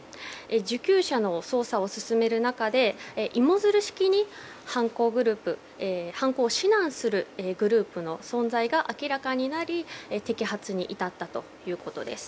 受給者の捜査を進める中で芋づる式に犯行を指南するグループの存在が明らかになり摘発に至ったということです。